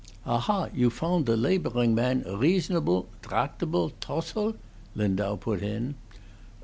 "Ah, ah! you foundt the laboring man reasonable dractable tocile?" Lindau put in.